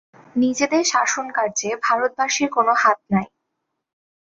নিজেদের শাসনকার্যে ভারতবাসীর কোন হাত নাই।